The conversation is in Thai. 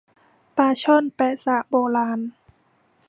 ปลาช่อนแป๊ะซะโบราณ